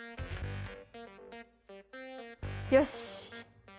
よし。